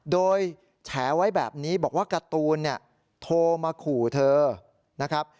โดยแฉไว้แบบนี้บอกว่าการ์ตูนเนี่ยโทรมาขู่เธอนะครับ